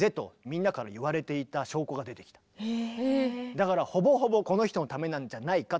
だからほぼほぼこの人のためなんじゃないかと。